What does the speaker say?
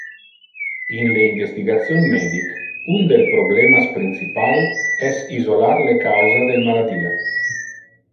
In le investigation medic, un del problemas principal es isolar le causa del maladia.